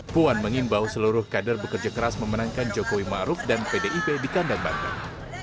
puan mengimbau seluruh kader bekerja keras memenangkan jokowi maruf dan pdip di kandang banteng